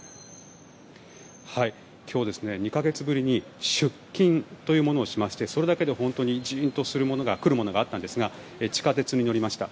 今日、２か月ぶりに出勤というものをしましてそれだけで本当にジーンと来るものがあったんですが地下鉄に乗りました。